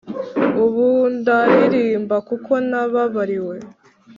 Ubundaririmba kuko nababariwe